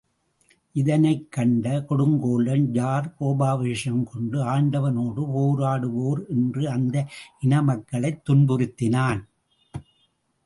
இதனைக் கண்ட கொடுங்கோலன் ஜார் கோபாவேசம் கொண்டு ஆண்டவனோடு போராடுவோர் என்ற அந்த இன மக்களைத் துன்புறுத்தினான்.